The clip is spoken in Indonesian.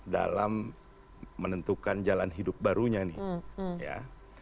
dalam menentukan jalan hidup barunya nih